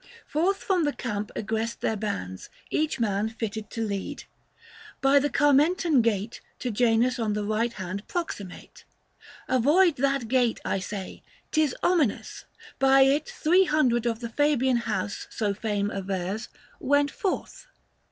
Forth from the camp egress'd then bands, each man Fitted to lead ; by the Carmentan gate, To Janus on the right hand proximate. 205 Avoid that gate, I say ; 'tis ominous ! By it three hundred of the Fabian house, So fame avers, went forth.